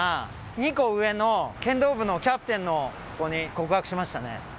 ２個上の剣道部のキャプテンの子に告白しましたね。